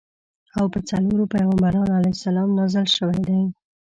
او په څلورو پیغمبرانو علیهم السلام نازل شویدي.